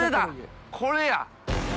これや！